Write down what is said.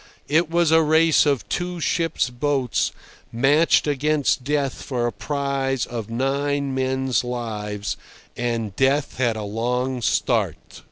It was a race of two ship's boats matched against Death for a prize of nine men's lives, and Death had a long start.